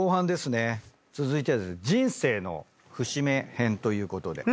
続いてはですね人生の節目編ということで。